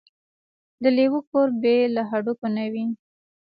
د لېوه کور بې له هډوکو نه وي.